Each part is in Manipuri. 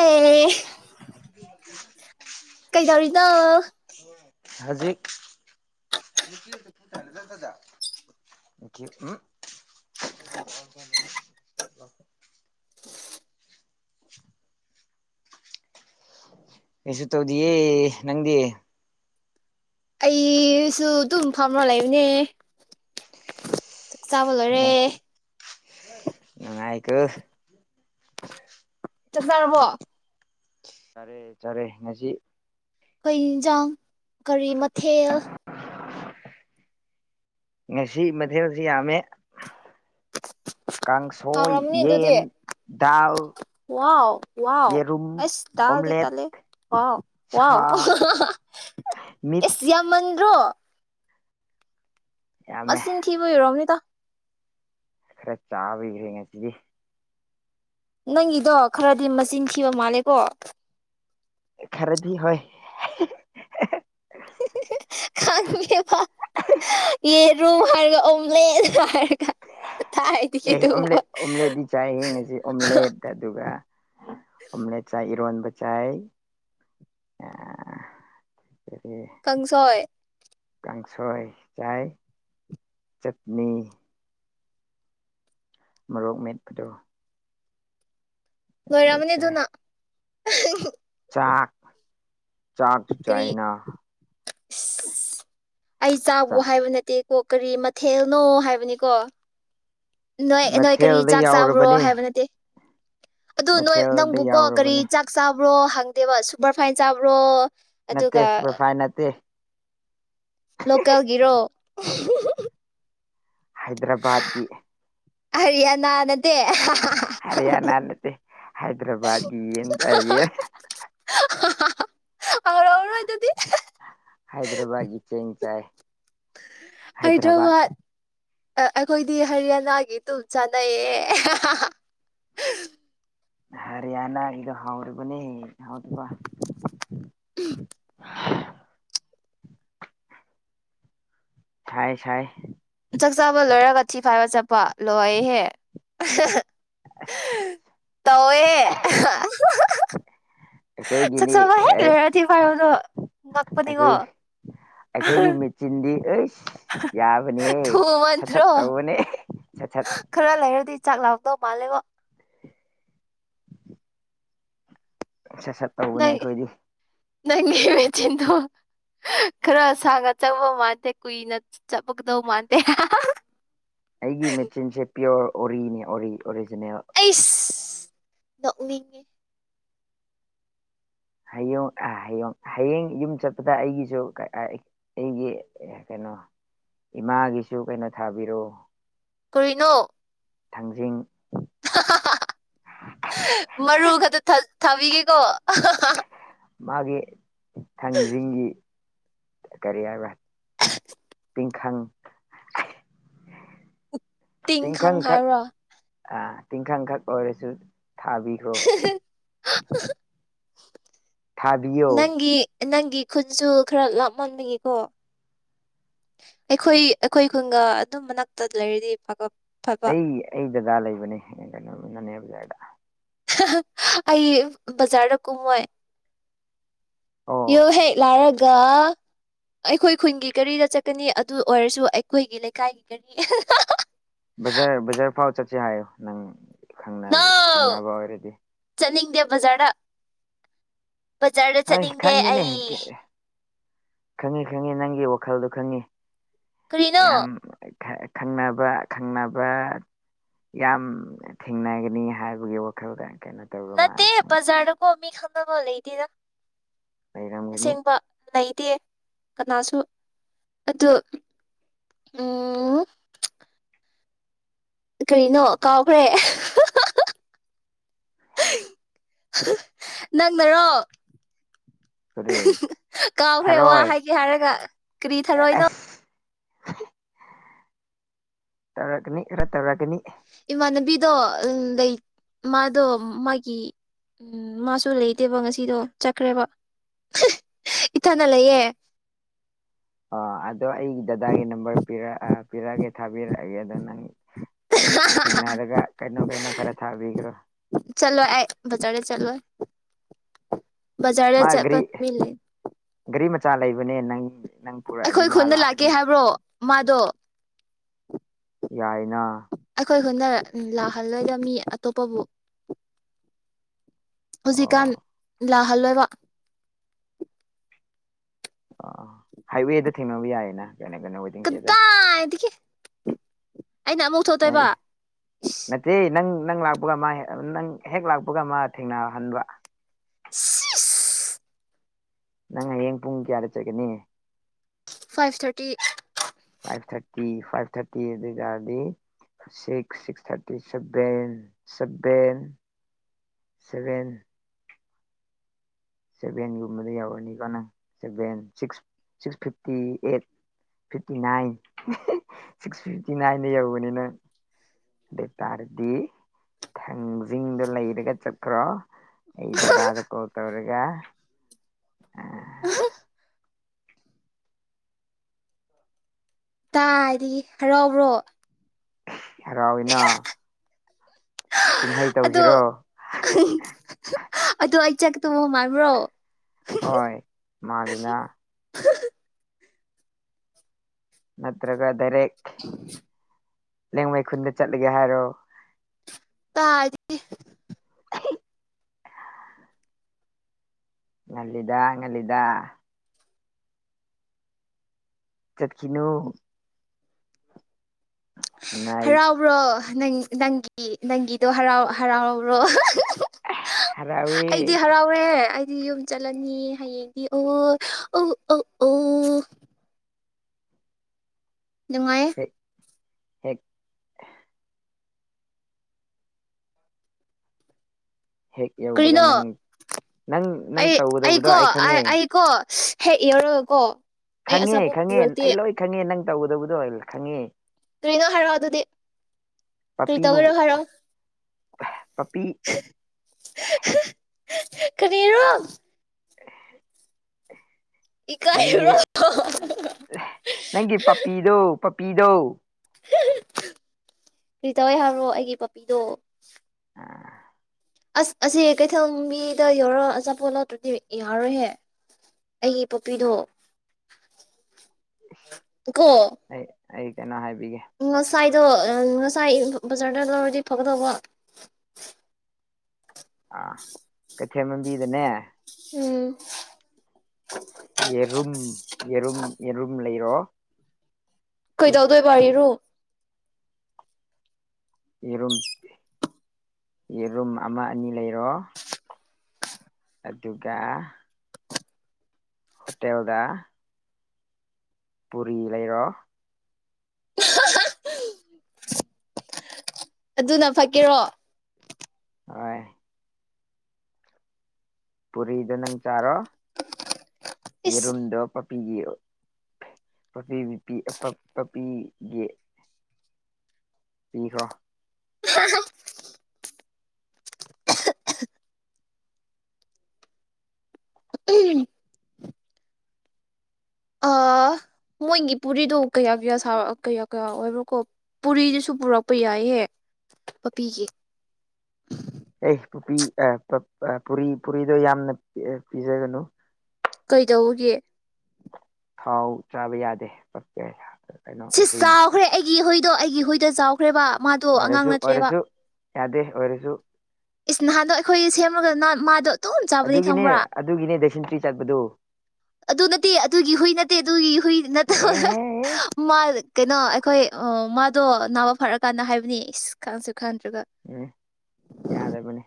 ꯑꯦ ꯀꯩꯗꯧꯔꯤꯅꯣ ꯍꯧꯖꯤꯛ ꯎ [unintelligible] ꯑꯣ ꯀꯩꯁꯨ ꯇꯧꯗꯦ ꯅꯪꯗꯤ ꯑꯩꯁꯨ ꯑꯗꯨꯝ ꯐꯝꯅ ꯂꯩꯕꯅꯦ ꯆꯥꯛ ꯆꯥꯕ ꯂꯣꯏꯔꯦ ꯅꯨꯡꯉꯥꯏꯀꯣ ꯆꯥꯛ ꯆꯥꯔꯕꯣ ꯆꯥꯔꯦ ꯆꯥꯔꯦ ꯉꯁꯤ ꯑꯩꯈꯣꯏ ꯌꯦꯟꯁꯥꯡ ꯀꯔꯤ ꯃꯊꯦꯜ ꯉꯁꯤ ꯃꯊꯦꯜꯁꯤ ꯌꯥꯝꯃꯦ ꯀꯥꯡꯁꯣꯏ ꯍꯥꯎꯔꯝꯅꯤ ꯑꯗꯨꯗꯤ ꯌꯦꯟ ꯗꯥꯜ ꯋꯥꯎ ꯋꯥꯎ ꯌꯦꯔꯨꯝ ꯑꯁ ꯇꯥꯗꯤ ꯑꯣꯝꯂꯦꯠ ꯇꯂꯦ ꯋꯥꯥꯎ ꯋꯥꯎ ꯁꯥ ꯃꯤꯠ ꯑꯦꯁ ꯌꯥꯝꯃꯟ ꯑꯗꯨ꯭ꯔꯣ ꯌꯥꯝꯃꯦ ꯃꯆꯤꯟ ꯊꯤꯕ ꯑꯣꯏꯔꯝꯅꯤꯗ ꯈꯔ ꯆꯥꯕꯤꯈ꯭ꯔꯦ ꯉꯁꯤꯗꯤ ꯅꯪꯒꯤꯗꯣ ꯈꯔꯗꯤ ꯃꯆꯤꯟꯊꯤꯕ ꯃꯥꯜꯂꯦꯀꯣ ꯈꯔꯗꯤ ꯍꯣꯏ ꯈꯡꯉꯦꯕ ꯌꯦꯔꯨꯝ ꯍꯥꯢꯔꯒ ꯑꯣꯝꯂꯦꯠ ꯍꯥꯏꯔꯒ ꯀꯗꯥꯏꯗꯒꯤ ꯑꯗꯨꯒꯨꯝꯕ ꯑꯣꯝꯂꯦꯠ ꯑꯣꯝꯂꯦꯠꯇꯤ ꯆꯥꯏꯌꯦ ꯉꯁꯤ ꯑꯣꯝꯂꯦꯠ ꯑꯗꯨꯒ ꯑꯣꯝꯂꯦꯠ ꯆꯥꯏ ꯏꯔꯣꯟꯕ ꯆꯥꯏ ꯑ ꯀꯪꯁꯣꯏ ꯀꯥꯡꯁꯣꯏ ꯆꯥꯏ ꯆꯠꯅꯤ ꯃꯣꯔꯣꯛ ꯃꯦꯠꯄꯗꯣ ꯑꯗꯨ ꯂꯣꯏꯔꯝꯃꯅꯤ ꯆꯥꯏ ꯑꯗꯨꯅ [unintelligible] ꯆꯥꯛ ꯆꯥꯛꯁꯨ ꯀꯔꯤ ꯆꯥꯏꯌꯦꯅ ꯏꯁ ꯑꯩ ꯆꯥꯕ ꯍꯥꯏꯕ ꯅꯠꯇꯦ ꯀꯣ ꯀꯔꯤ ꯃꯊꯦꯜꯅꯣ ꯍꯥꯏꯕꯅꯤꯀꯣ ꯅꯣꯏ ꯅꯣꯏ ꯀꯔꯤ ꯃꯊꯦꯜꯗ ꯆꯥꯛ ꯆꯥꯕ꯭ꯔꯣ ꯌꯥꯎꯔꯕꯅꯤ ꯍꯥꯏꯕ ꯅꯠꯇꯦ ꯑꯗꯨ ꯅꯣꯏ ꯃꯊꯦꯜꯗ ꯅꯪꯕꯨ ꯀꯣ ꯀꯔꯤ ꯌꯥꯎꯔꯕꯅꯤ ꯆꯥꯛ ꯆꯥ ꯆꯥꯕ꯭ꯔꯣ ꯍꯡꯗꯦꯕ ꯁꯨꯄꯔ ꯐꯥꯏꯟ ꯆꯥꯕ꯭ꯔꯣ ꯅꯠꯇꯦ ꯑꯗꯨꯒ ꯁꯨꯄꯔ ꯐꯥꯏꯟ ꯅꯠꯇꯦ ꯂꯣꯀꯦꯜꯒꯤꯔꯣ [unintelligible] ꯍꯥꯏꯗ꯭ꯔꯕꯥꯠꯀꯤ ꯍꯌꯥꯅꯥ ꯅ ꯍꯔꯤꯌꯥꯅꯥ ꯅꯠꯇꯦ ꯍꯩꯗ꯭ꯔꯕꯥꯗꯒꯤ ꯌꯦꯟ ꯍꯥꯏꯒꯤꯌꯦ ꯍꯥꯎꯔꯣꯏ ꯑꯗꯨꯗꯤ ꯍꯥꯏꯗ꯭ꯔꯕꯥꯠꯀꯤ ꯆꯦꯡ ꯆꯥꯏ ꯍꯥꯏꯗ꯭ꯔꯕꯥꯠ ꯍꯗ꯭ꯔꯕꯥ ꯑꯩꯈꯣꯏꯗꯤ ꯍꯔꯤꯌꯥꯅꯥꯒꯤ ꯇꯨꯝꯝ ꯆꯥꯟꯅꯩꯌꯦ ꯍꯔꯤꯌꯥꯅꯥ ꯏ ꯍꯧꯥꯎꯔꯤꯕꯅꯤ ꯍꯥꯎꯗꯄꯥ [inaudible] ꯊꯥꯏ ꯁꯥꯏ ꯄ ꯂꯣꯏꯍꯦ ꯑ ꯑꯁ ꯇꯧꯋꯦ ꯑꯩꯈꯣꯏꯒꯤꯅꯤ ꯆꯥꯛꯆꯥꯕ ꯍꯦꯛ ꯂꯣꯏꯔꯗꯤ ꯑꯦꯁ ꯐꯥꯔꯣꯗꯣ ꯑꯩꯈꯣꯏ ꯉꯛꯄꯅꯤꯉꯣ ꯑꯩ ꯌꯥꯕꯅꯦꯍꯦ ꯁꯠ ꯁꯠ ꯊꯨꯃꯟꯗ꯭ꯔꯣ ꯇꯧꯕꯅꯦ ꯁꯠ ꯁꯠ ꯈꯔ ꯂꯩꯔꯗꯤ ꯆꯥꯛ ꯂꯥꯛꯗꯧ ꯃꯥꯜꯂꯦꯕꯣ ꯁꯠ ꯁꯠ ꯇꯧꯕꯅꯦ ꯅꯪ ꯑꯩꯈꯣꯏꯗꯤ ꯅꯪꯒꯤ ꯃꯦꯆꯤꯟꯗꯣ ꯈꯔ ꯁꯥꯡꯅ ꯆꯪꯕ ꯃꯥꯟꯗꯦ ꯀꯨꯏꯅ ꯆꯠꯄꯒꯗꯧ ꯃꯥꯟꯗꯦ ꯑꯩꯒꯤ ꯃꯦꯆꯤꯟꯁꯦ ꯄꯤꯌ ꯑꯣꯔꯤꯅꯦ ꯑꯣꯔꯤ ꯑꯣꯔꯤꯖꯤꯅꯦꯜ ꯅ ꯎꯦ ꯍꯌꯡ ꯑ ꯍꯌꯡ ꯍꯌꯦꯡ ꯌꯨꯝ ꯆꯠꯄꯗ ꯑꯩꯒꯤꯁꯨ ꯑꯩꯒꯤ ꯀꯩꯅꯣ ꯏꯃꯥꯒꯤꯁꯨ ꯀꯩꯅꯣ ꯊꯥꯕꯤꯔꯛꯑꯣ ꯀꯨꯏꯅꯣ ꯊꯥꯡꯖꯤꯡ ꯃꯔꯨ ꯈꯛꯇ ꯊ ꯊꯕꯤꯒꯦꯀꯣ ꯃꯥꯒꯤ ꯊꯥꯡꯁꯤꯡꯒꯤ ꯀꯔꯤ ꯍꯥꯏꯕ [inaudible] ꯄꯤꯡꯈꯪ ꯇꯤꯡ ꯈꯪ ꯍꯥꯏꯕ꯭ꯔꯣ ꯑ ꯇꯤꯡꯈꯥꯡꯡꯈꯛ ꯑꯣꯏꯔꯁꯨ ꯊꯥꯕꯤꯈ꯭ꯔꯣ [inaudible] ꯊꯥꯕꯤꯌꯣ ꯅꯪꯒꯤ ꯅꯪꯒꯤ ꯈꯨꯟꯁꯨ ꯈꯔ ꯂꯥꯞꯃꯟꯅꯤꯡꯉꯀꯣ ꯑꯩꯈꯣꯏ ꯑꯩꯈꯣꯏ ꯈꯨꯟꯒ ꯑꯗꯨꯝ ꯃꯅꯥꯛꯇ ꯂꯩꯔꯗꯤ ꯐꯥꯒꯞ ꯑꯩ ꯑꯩ ꯗꯗꯥ ꯂꯩꯕꯅꯦ ꯀꯩꯅꯣꯅꯅꯦ ꯕꯖꯥꯔꯗ ꯑꯩ ꯕꯖꯥꯔꯗ ꯀꯨꯝꯃꯣꯏ ꯌꯣ ꯑꯣ ꯍꯦꯛ ꯂꯥꯔꯒ ꯑꯩꯈꯣꯏ ꯈꯨꯟꯒꯤ ꯀꯔꯤꯗ ꯆꯠꯀꯅꯤ ꯑꯗꯨ ꯑꯣꯏꯔꯁꯨ ꯑꯩꯈꯣꯏꯒꯤ ꯂꯩꯀꯥꯏꯒꯤ ꯀꯔꯤ ꯕꯖꯔ ꯕꯖꯥꯔ ꯐꯥꯎ ꯆꯠꯁꯤꯦ ꯍꯥꯏꯌꯣ ꯅꯪ ꯈꯪꯅꯕ ꯈꯪꯅꯕ ꯑꯣꯏꯔꯗꯤ ꯗꯦ ꯕꯖꯥꯔꯗ ꯕꯖꯥꯔꯗ ꯍꯣꯏ ꯆꯠꯅꯤꯡꯗꯦ ꯈꯪꯉꯦ ꯅꯦ ꯑꯩ ꯒꯦ ꯑꯦ ꯈꯪꯉꯤ ꯈꯪꯉꯤ ꯅꯪꯒꯤ ꯋꯥ ꯈꯜꯗꯣ ꯈꯪꯉꯤ ꯀꯔꯤꯅꯣ ꯌꯥꯝ ꯈ ꯈꯪꯅꯕ ꯈꯪꯅꯕ ꯌꯥꯝ ꯊꯦꯡꯅꯒꯅꯤ ꯍꯥꯏꯕꯒꯤ ꯋꯥꯈꯜꯗ ꯀꯩꯅꯣ ꯇꯧꯕ ꯅꯠꯇꯦ ꯃꯥꯜꯂꯦ ꯅꯪ ꯕꯖꯥꯔꯗ ꯀꯣ ꯃꯤ ꯈꯪ ꯅꯕ ꯂꯩꯇꯦꯗ ꯂꯩꯔꯝꯒꯅꯤ ꯑꯁꯦꯡꯕ ꯂꯩꯇꯦ ꯀꯅꯥꯁꯨ ꯑꯗꯣ ꯎꯝ ꯀꯔꯤꯅꯣ ꯀꯥꯎꯈ꯭ꯔꯦ ꯑꯍ ꯍ ꯍ ꯍ ꯍꯍ ꯅꯪꯅꯔꯣ ꯀꯔꯤ ꯍꯍ ꯀꯥꯎꯈ꯭ꯔꯦ ꯋꯥ ꯊꯔꯣꯏ ꯍꯥꯏꯒꯦ ꯍꯥꯏꯔꯒ ꯀꯔꯤ ꯊꯔꯣꯏꯅꯣ ꯑꯁ ꯇꯧꯔꯛꯀꯅꯤ ꯈꯔ ꯇꯧꯔꯛꯀꯅꯤ ꯏꯃꯥꯟꯅꯕꯤꯗꯣ ꯂꯩ ꯃꯥꯗꯣ ꯃꯥꯒꯤ ꯎꯝ ꯃꯥꯁꯨ ꯂꯩꯇꯦꯕ ꯉꯁꯤꯗꯣ ꯆꯠꯈ꯭ꯔꯦꯕ ꯍꯍ ꯏꯊꯟꯅ ꯂꯩꯌꯦ ꯑꯣ ꯑꯗꯣ ꯑꯩꯒꯤ ꯗꯗꯥꯒꯤ ꯅꯝꯕꯔ ꯄꯤꯔꯛ ꯑ ꯄꯤꯔꯛꯑꯒꯦ ꯊꯥꯕꯤꯔꯛꯑꯒꯦ ꯑꯗꯣ ꯅꯪ ꯊꯦꯡꯅꯔꯒ ꯀꯩꯅꯣ ꯀꯩꯅꯣ ꯈꯔ ꯊꯥꯕꯤꯒ꯭ꯔꯣ ꯆꯠꯂꯣꯏ ꯑꯩ ꯕꯖꯥꯔꯗ ꯆꯠꯂꯣꯏ ꯕꯖꯥꯔꯗ ꯆꯠꯄ ꯃꯤ ꯂꯩ ꯆꯥ ꯂꯩꯕꯅꯦ ꯅꯪ ꯄꯨꯔꯛꯑꯗꯤ ꯑꯩꯈꯣꯏ ꯃꯥ ꯈꯨꯟꯗ ꯂꯥꯛꯀꯦ ꯂꯥꯛꯀꯅꯤ ꯍꯥꯏꯕ꯭ꯔꯣ ꯃꯥꯗꯣ ꯌꯥꯏꯅ ꯑꯩꯈꯣꯏ ꯈꯨꯟꯗ ꯂꯥꯛꯍꯜꯂꯣꯏꯗ ꯃꯤ ꯑꯇꯣꯞꯄꯕꯨ ꯍꯧꯖꯤꯛꯀꯥꯟ ꯑꯣ ꯂꯥ ꯍꯜꯂꯣꯏꯕ ꯑ ꯍꯥꯏꯋꯦꯗ ꯊꯦꯡꯅꯕ ꯌꯥꯏꯌꯦꯅ ꯖꯅꯥ ꯒꯅꯥ ꯋꯥꯏꯇꯤꯡ ꯁꯦꯗꯇ ꯀꯗꯥꯏꯗꯒꯤ ꯑꯩꯅ ꯑꯃꯨꯛ ꯊꯣꯛꯇꯣꯏꯕ ꯁꯁ ꯅꯠꯇꯦ ꯅꯪ ꯅꯪ ꯂꯥꯛꯄꯒ ꯃꯥ ꯍꯦꯛ ꯑ ꯅꯪ ꯍꯦꯛ ꯂꯥꯛꯄꯒ ꯃꯥ ꯊꯦꯡꯅꯍꯟꯕ ꯁꯤꯆ ꯅꯪ ꯍꯌꯦꯡ ꯄꯨꯡ ꯀꯌꯥꯗ ꯆꯠꯀꯅꯤ five thirty five thirty five thirty ꯑꯗꯨ ꯑꯣꯏꯇꯥꯔꯗꯤ six six thirty seven seven seven ꯁꯦꯚꯦꯟꯒꯨꯝꯕꯗ ꯌꯧꯔꯅꯤꯀꯣ ꯅꯪ seven six six fifty eight fifty nine um ꯍꯤ ꯁꯤꯛꯁ ꯐꯤꯐꯇꯤ ꯅꯥꯏꯟꯗ ꯌꯧꯕꯅꯤ ꯅꯪ ꯑꯗꯨ ꯑꯣꯏ ꯇꯥꯔꯗꯤ ꯊꯥꯡꯖꯤꯡꯗꯣ ꯂꯩꯔꯒ ꯆꯠꯈ꯭ꯔꯣ ꯑꯩ ꯗꯗꯥꯗ ꯀꯣꯜ ꯇꯧꯔ ꯌꯥꯏ- ꯑꯍ ꯀꯥꯏꯗꯒꯤ ꯍꯔꯥꯎꯕ꯭ꯔꯣ ꯍꯔꯥꯎꯏꯅ ꯀꯨꯝꯍꯩ [inaudible] ꯑꯗꯣ ꯇꯧꯁꯤꯔꯣ [unintelligible] ꯑꯗꯣ ꯑꯩ ꯆꯦꯛ ꯇꯣ ꯃꯥꯟꯕ꯭ꯔꯣ ꯍꯣꯏ ꯃꯥꯜꯂꯤꯅ ꯅꯠꯇ꯭ꯔꯒ ꯗꯥꯏꯔꯦꯛ [inaudible] ꯂꯦꯡꯃꯩ ꯈꯨꯟꯗ ꯆꯠꯂꯒꯦ ꯍꯥꯏꯔꯣ ꯇꯥꯗꯤ ꯉꯜꯂꯤ ꯉꯜꯂꯤꯗ ꯆꯠꯈꯤꯅꯨ ꯉꯥꯏ ꯍꯔꯥꯎꯕ꯭ꯔꯣ ꯅꯪ ꯅꯪꯒꯤ ꯅꯪꯒꯤꯗꯣ ꯍꯔꯥꯎ ꯍꯔꯥꯎꯔꯣ ꯍꯔꯥꯎꯋꯦ ꯑꯩꯗꯤ ꯍꯔꯥꯎꯋꯦ ꯑꯩ ꯗꯤ ꯌꯨꯝ ꯆꯠꯂꯅꯤ ꯍꯌꯦꯡꯗꯤ ꯑꯣ ꯑꯣ ꯑꯣ ꯑꯣ ꯅꯨꯡꯉꯥꯏ ꯍꯦꯛ ꯍꯦꯛ ꯍꯦꯛ ꯌꯧꯕꯒ ꯀ꯭ꯔꯤꯅꯣ ꯅꯪ ꯅꯪ ꯅꯪ ꯑꯩ ꯇꯧꯒꯗꯧꯕꯗꯣ ꯑꯩꯀꯣ ꯑꯩ ꯑ ꯈꯪꯉꯦ ꯑꯩꯀꯣ ꯍꯦꯛ ꯌꯧꯔꯒꯀꯣ ꯑꯩ ꯈꯪꯉꯦ ꯑꯆꯥꯄꯣꯠ ꯈꯪꯉꯦ ꯄꯨꯔꯛꯇꯦ ꯑꯩ ꯂꯣꯏ ꯈꯪꯉꯦ ꯅꯪ ꯇꯧꯒꯗꯕꯗꯨ ꯑꯩꯅ ꯈꯪꯉꯦ ꯀꯔꯤꯅꯣ ꯍꯥꯏꯔꯛꯑꯣ ꯑꯗꯨꯗꯤ ꯀꯔꯤ ꯇꯧꯒꯦꯔꯣ ꯍꯥꯏꯔꯛꯑꯣ ꯄꯞꯄꯤ ꯀꯔꯤꯔꯣ [unintelligible] ꯅꯪꯒꯤ ꯏꯀꯥꯏꯔꯣ ꯅꯪꯒꯤ ꯄꯞꯄꯤ ꯗꯣ ꯄꯞꯄꯤꯗꯣ ꯀ꯭ꯔꯤ ꯇꯧꯋꯦ ꯍꯥꯏꯕꯔꯣ ꯑꯩꯒꯤ ꯄꯞꯄꯤꯗꯣ ꯑꯥ ꯑꯁ ꯑꯁꯤ ꯀꯩꯊꯦꯜ ꯃꯤꯗ ꯌꯧꯔ ꯑꯆꯥꯄꯣꯠ ꯂꯧꯇ꯭ꯔꯗꯤ ꯌꯥꯔꯣꯏꯍꯦ ꯑꯩꯒꯤ ꯄꯞꯄꯤꯗꯣ ꯒꯣ ꯑꯩ ꯑꯩ ꯀꯩꯅꯣ ꯍꯥꯏ ꯎꯝ ꯉꯁꯥꯏ ꯑꯗꯣ ꯉꯁꯥꯏ ꯕ ꯕꯖꯥꯔꯗ ꯂꯧꯔꯗꯤ ꯐꯒꯗꯧꯕ ꯑ ꯀꯠ ꯍꯦꯃꯝꯕꯤꯗꯅꯦ ꯎꯝ ꯑꯦꯔꯨꯝ ꯑꯦꯔꯨꯝ ꯑꯦꯔꯨꯝ ꯂꯩ ꯑꯣꯣ ꯀꯩꯗꯧꯗꯣꯏꯕꯔꯣ ꯌꯦꯔꯨꯝ ꯌꯦꯔꯨꯝ ꯑꯃ ꯑꯅꯤ ꯂꯩꯔꯣ ꯑꯗꯨꯒ ꯍꯣꯇꯦꯦꯜꯒ ꯄꯨꯔꯤ ꯂꯩꯔꯣ ꯑꯗꯨꯅ ꯐꯀꯦꯔꯣ ꯍ ꯄꯨꯔꯤꯗꯣ ꯅꯪ ꯆꯥꯔꯣ ꯏꯁ ꯌꯦꯔꯨꯝꯗꯣ ꯄ ꯄꯄꯤꯒꯤ ꯄꯄꯤ ꯄꯄꯤꯒꯤ ꯄꯤꯈ꯭ꯔꯣ ꯎꯝ ꯑꯥ ꯃꯣꯏꯒꯤ ꯄꯨꯔꯤꯗꯣ ꯀꯌꯥ ꯀꯌꯥ ꯁꯥ ꯀꯌꯥ ꯀꯌꯥ ꯑꯣꯏꯕ꯭ꯔꯣꯀꯣ ꯄꯨꯔꯤꯗꯨꯁꯨ ꯄꯨꯔꯛꯄ ꯌꯥꯏꯍꯦ ꯄꯄꯤꯒ ꯑꯦ ꯄꯨꯔꯤ ꯄꯨꯔꯤꯗꯣ ꯌꯥꯝꯅ ꯄꯤꯖꯒꯅꯨ ꯀꯩꯗꯧꯒꯦ ꯊꯥꯎ ꯆꯥꯕ ꯌꯥꯗꯦꯦ ꯁꯤꯁ ꯇꯥꯎꯈ꯭ꯔꯦ ꯑꯩꯒꯤ ꯍꯣꯏ ꯑꯗꯣ ꯑꯩꯒꯤ ꯍꯨꯏꯗ ꯆꯥꯎꯈ꯭ꯔꯦꯕ ꯃꯥꯗꯣ ꯑꯉꯥꯡ ꯑꯣꯏꯔꯁꯨ ꯅꯠꯇ꯭ꯔꯦꯕ ꯑꯣꯏꯔꯁꯨ ꯌꯥꯗꯦ ꯑꯣꯏꯁꯨꯁꯨ ꯏꯁ ꯅꯍꯥꯟꯗꯣ ꯑꯩꯈꯣꯏꯒꯤ ꯁꯦꯝꯃꯒ ꯃꯥꯗꯣ ꯑꯗꯨꯝ ꯆꯥꯕꯅꯤ ꯑꯗꯨꯒꯤꯅꯦ ꯈꯪꯕ꯭ꯔꯥ ꯑꯗꯨꯒꯤꯅꯦ ꯗꯁꯤꯟ ꯆꯠꯄꯗꯨ ꯑꯗꯨ ꯅꯠꯇꯦ ꯑꯗꯨꯒꯤ ꯍꯨꯏ ꯅꯠꯇꯦ ꯑꯗꯨꯒꯤ ꯍꯨꯏ ꯅꯠꯇꯕ ꯑꯦꯍꯦ ꯃꯥ ꯀꯩꯅꯣ ꯑꯩꯈꯣꯏ ꯃꯥꯗꯣ ꯅꯥꯕ ꯐꯔꯛꯀꯥꯟꯗ ꯍꯥꯏꯕꯅꯤ ꯏꯁ ꯈꯪꯁꯨ ꯈꯪꯗꯦ ꯎꯝ ꯌꯥꯗꯕꯅꯤ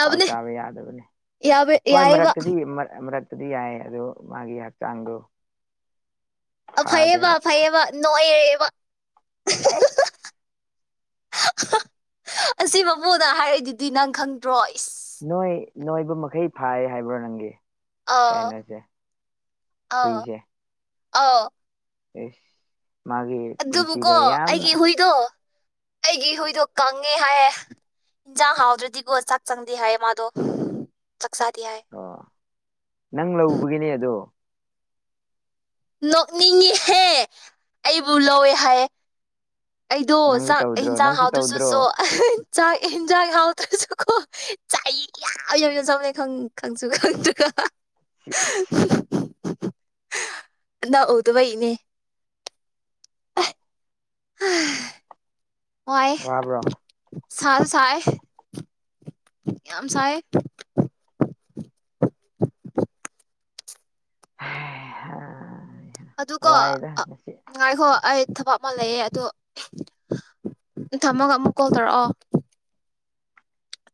ꯊꯥꯎ ꯆꯥꯕ ꯌꯥꯗꯕꯅꯤ ꯌꯥꯕ ꯍꯣꯏ ꯌꯥꯏꯑꯕ ꯃꯔꯛꯇꯗꯤ ꯃꯔꯛ ꯗꯤ ꯌꯥꯏ ꯑꯗꯣ ꯃꯥꯒꯤ ꯍꯛꯆꯥꯡꯗꯣ ꯑ ꯐꯌꯦꯕ ꯐꯗꯦꯕ ꯐꯌꯦꯕ ꯅꯣꯏ ꯋꯥ ꯑꯁ ꯑꯁꯤ ꯃꯕꯨꯡꯗ ꯍꯥꯏꯔꯛꯏꯗꯨꯗꯤ ꯅꯪ ꯈꯪꯗ꯭ꯔꯣꯏ ꯅꯣꯏ ꯅꯣꯏꯕ ꯃꯈꯩ ꯐꯥꯏ ꯍꯥꯏꯕ꯭ꯔꯣ ꯅꯪꯒꯤ ꯑꯥꯎ ꯀꯥꯏꯅꯁꯦ ꯍꯏꯁ ꯑ ꯎ ꯑꯗꯨꯕꯨꯀꯣ ꯑꯩꯒꯤ ꯍꯨꯏꯗꯣ ꯑꯩꯒꯤ ꯍꯨꯏꯗꯣ ꯀꯪꯉꯦ ꯍꯥꯏꯌꯦꯦ ꯌꯦꯟꯖꯥꯡ ꯍꯥꯎꯗ꯭ꯔꯗꯤꯀꯣ ꯆꯥꯛ ꯆꯪꯗꯦ ꯍꯥꯏꯌꯦ ꯃꯥꯗꯣ ꯆꯥꯗꯦ ꯍꯥꯏ ꯑꯣ ꯅꯪ ꯂꯧ ꯎꯕꯒꯤꯅꯦ ꯑꯗꯣ ꯅꯣꯛꯅꯤꯡꯉꯍꯦ ꯑꯩꯕꯨ ꯂꯧꯋꯦ ꯍꯥꯏ ꯑꯩꯗꯣ ꯅꯪꯁꯨ ꯆꯥꯛ ꯇꯧꯗ꯭ꯔꯣ ꯍꯦꯟꯖꯥꯡ ꯅꯪꯁꯨ ꯇꯧꯗ꯭ꯔꯣ ꯍꯥꯥꯎꯗꯨꯁꯨꯁꯨ ꯆꯥꯛ ꯌꯦꯟꯖꯥꯛ ꯍꯥꯎꯗ꯭ꯔꯁꯨꯀꯣ ꯆꯥꯛ ꯌꯥꯝ ꯌꯧꯅ ꯆꯕꯅꯦ ꯈꯪꯁꯨ ꯈꯪꯗ꯭ꯔ [unintelligible] ꯅꯪ ꯎꯗꯕꯩ ꯅꯦ ꯍꯥꯥ ꯋꯥꯕ꯭ꯔꯣ ꯁꯜ ꯆꯥꯏ ꯌꯥꯝ ꯁꯥꯏ ꯍꯩ ꯍꯥ ꯑꯗꯨꯀꯣ ꯑ ꯉꯥꯏꯈꯣ ꯑꯩ ꯊꯕꯛ ꯑꯃ ꯂꯩꯌꯦ ꯑꯗꯣ ꯊꯝꯃꯒ ꯑꯃꯨꯛ ꯀꯣꯜ ꯇꯧꯔꯛꯑꯣ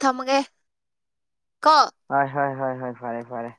ꯊꯝꯃꯒꯦ ꯀꯣ ꯍꯣꯏ ꯍꯣꯏ ꯍꯣꯏ ꯍꯣꯏ ꯐꯔꯦ ꯐꯔꯦ